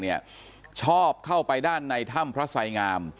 เนี่ยชอบเข้าไปด้านในถ้ำพระสายงาม